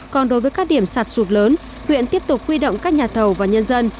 còn đối với các điểm sạt sụt lớn huyện tiếp tục huy động các nhà thầu và nhân dân